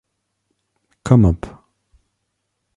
Come up.